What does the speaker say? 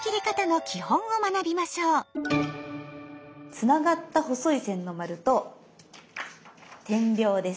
つながった細い線の丸と点描です。